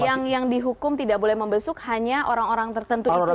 artinya itu yang dihukum tidak boleh membesuk hanya orang orang tertentu itu ya